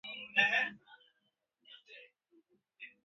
ulaji wa viazi lishe hupunguza kuzeeka